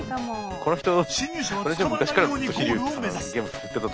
侵入者は捕まらないようにゴールを目指す！